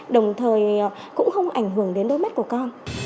đồng thời cũng không ảnh hưởng đến đôi mắt của con